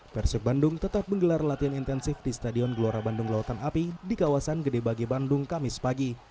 persib bandung tetap menggelar latihan intensif di stadion gelora bandung lautan api di kawasan gede bage bandung kamis pagi